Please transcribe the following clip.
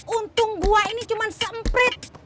untung gua ini cuma semprit